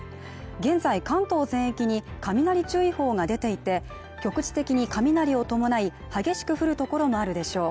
現在、関東全域に雷注意報が出ていて局地的に雷を伴い激しく降る所もあるでしょう